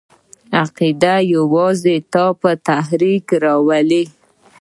عقیده یوازې تا په تحرک راولي!